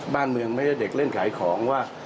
บ้านเมืองไม่ใช่เด็กเล่นขายของว่า